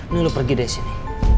nih lu pergi deh sini